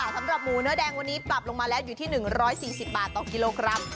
สำหรับหมูเนื้อแดงวันนี้ปรับลงมาแล้วอยู่ที่๑๔๐บาทต่อกิโลกรัม